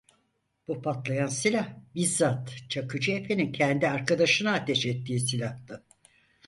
Bu patlayan silah, bizzat Çakıcı Efe'nin kendi arkadaşına ateş ettiği silahtı.